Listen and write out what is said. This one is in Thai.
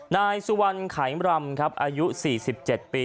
นายสุวรรณไขมรำครับอายุ๔๗ปี